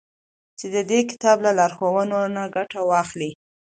چي د دې كتاب له لارښوونو نه گټه واخلي.